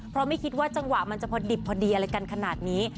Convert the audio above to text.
เพราะไม่คิดว่าจังหวะมันจะพอดิบพอดีอะไรกันขนาดนี้